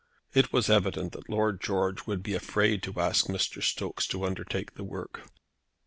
It was evident that Lord George would be afraid to ask Mr. Stokes to undertake the work.